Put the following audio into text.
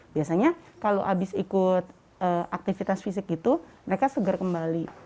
biasanya kalau habis ikut aktivitas fisik itu mereka seger kembali